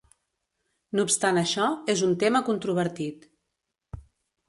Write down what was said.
No obstant això, és un tema controvertit.